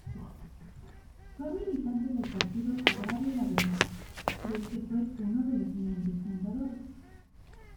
Fue militante del Partido Agrario Laborista, del que fue uno de los miembros fundadores.